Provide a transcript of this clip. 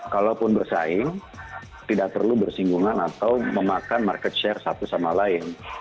kalaupun bersaing tidak perlu bersinggungan atau memakan market share satu sama lain